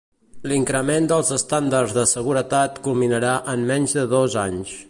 L'increment dels estàndards de seguretat culminarà en menys de dos anys.